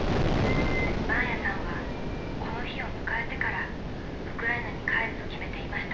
［マーヤさんはこの日を迎えてからウクライナに帰ると決めていました］